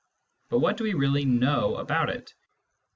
But what do we really know about it